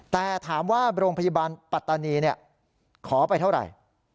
แต่ถามว่าโรงพยาบาลปัตตานีขอไปเท่าไหร่